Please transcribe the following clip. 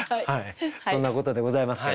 そんなことでございますけれども。